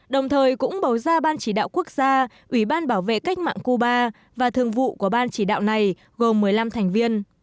đồng thời cũng bầu ra ban chỉ đạo quốc gia ủy ban bảo vệ cách mạng cuba và thường vụ của ban chỉ đạo này gồm một mươi năm thành viên